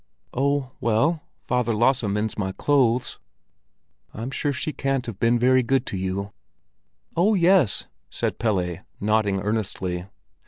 "Oh, well, Father Lasse mends my clothes!" "I'm sure she can't have been very good to you." "Oh, yes!" said Pelle, nodding earnestly.